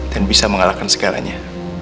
dan bisa mengalahkan segalanya